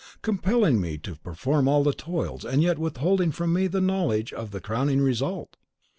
compelling me to perform all the toils, and yet withholding from me the knowledge of the crowning result?